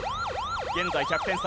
現在１００点差。